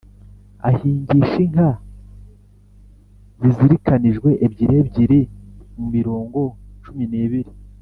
ahingisha inka zizirikanijwe ebyiri ebyiri mu mirongo cumi n’ibiri